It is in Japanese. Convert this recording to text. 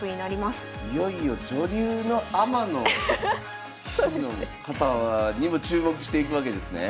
いよいよ女流のアマの棋士の方にも注目していくわけですね。